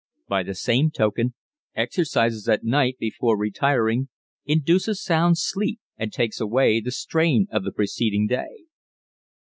By the same token, exercises at night before retiring induces sound sleep and takes away the strain of the preceding day.